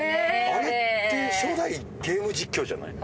あれって初代ゲーム実況じゃない？